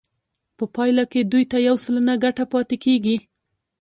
په پایله کې دوی ته یو سلنه ګټه پاتې کېږي